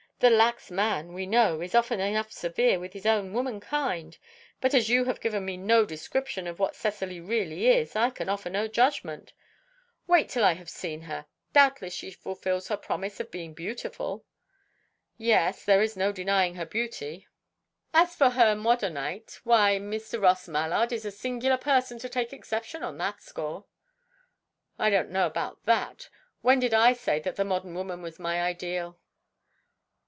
The lax man, we know, is often enough severe with his own womankind. But as you have given me no description of what Cecily really is, I can offer no judgment. Wait till I have seen her. Doubtless she fulfils her promise of being beautiful?" "Yes; there is no denying her beauty." "As for her modonite, why, Mr. Ross Mallard is a singular person to take exception on that score." "I don't know about that. When did I say that the modern woman was my ideal?"